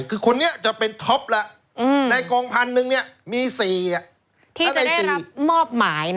คือคนนี้จะเป็นท็อปล่ะอืมในกรงพันธุ์นึงเนี้ยมีสี่ที่จะได้รับมอบหมายนะ